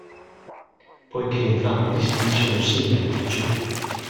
Poiché entrambi gli stili sono simmetrici.